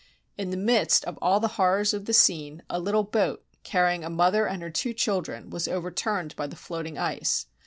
In the midst of all the horrors of the scene, a little boat, carrying a mother and her two children, was over turned by the floating ice.